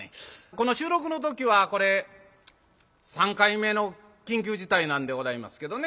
この収録の時はこれ３回目の緊急事態なんでございますけどね